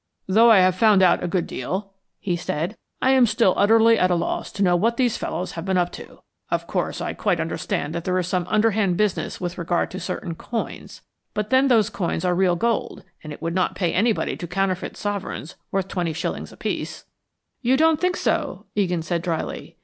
"Though I have found out a good deal," he said, "I am still utterly at a loss to know what these fellows have been up to. Of course, I quite understand that there is some underhand business with regard to certain coins but then those coins are real gold, and it would not pay anybody to counterfeit sovereigns worth twenty shillings apiece." "You don't think so," Egan said, drily.